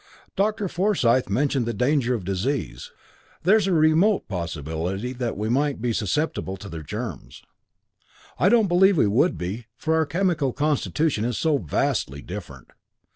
"Dr. Forsyth mentioned the danger of disease. There's a remote possibility that we might be susceptible to their germs. I don't believe we would be, for our chemical constitution is so vastly different.